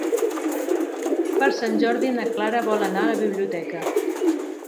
Per Sant Jordi na Clara vol anar a la biblioteca.